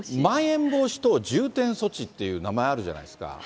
まん延防止等重点措置っていう名前あるじゃないですか。